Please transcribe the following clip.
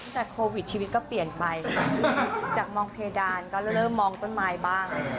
แต่โควิดชีวิตก็เปลี่ยนไปจากมองเพดานก็เริ่มมองต้นไม้บ้าง